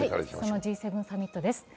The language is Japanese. そのＧ７サミットです。